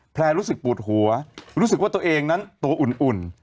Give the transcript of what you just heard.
แพรรู้สึกปูฎหัวรู้สึกว่าตัวเองนั้นอุ่น